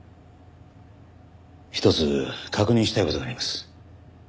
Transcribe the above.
一つ確認したい事があります。